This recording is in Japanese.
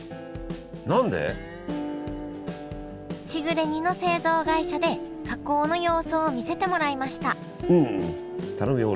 しぐれ煮の製造会社で加工の様子を見せてもらいました頼むよ